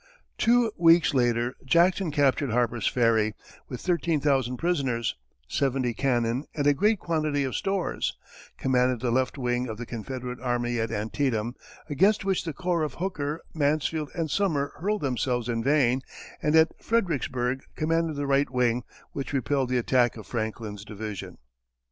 Two weeks later, Jackson captured Harper's Ferry, with thirteen thousand prisoners, seventy cannon, and a great quantity of stores; commanded the left wing of the Confederate army at Antietam, against which the corps of Hooker, Mansfield and Sumner hurled themselves in vain; and at Fredericksburg commanded the right wing, which repelled the attack of Franklin's division.